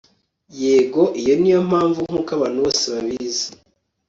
yego! - iyo niyo mpamvu nkuko abantu bose babizi